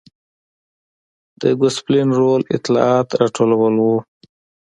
د ګوسپلین رول اطلاعات راټولول و.